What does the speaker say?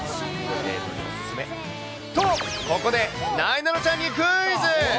と、ここでなえなのちゃんにクイズ。